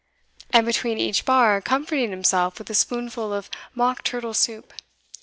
and between each bar comforting himself with a spoonful of mock turtle soup.